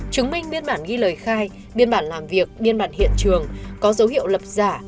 chứng minh biên bản ghi lời khai biên bản làm việc biên mặt hiện trường có dấu hiệu lập giả